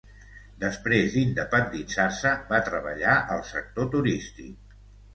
Després d"independitzar-se va treballar al sector turístic.